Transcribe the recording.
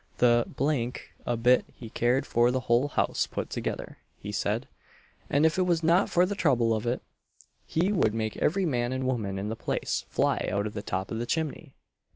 The d l a bit he cared for the whole house put together, he said; and, if it was not for the trouble of it, he would make every man and woman in the place fly out of the top of the chimney!